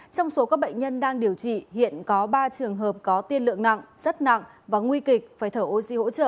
trong số các bệnh nhân đang điều trị hiện có ba trường hợp có tiên lượng nặng rất nặng và nguy kịch phải thở oxy hỗ trợ